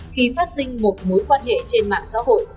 khi phát sinh một mối quan hệ trên mạng xã hội